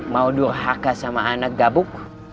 mau durhaka sama anak gabuk